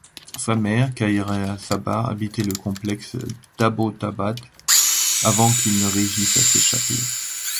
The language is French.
Sa mère, Khairiah Sabar, habitait le complexe d'Abbottabad avant qu'il ne réussisse à s'échapper.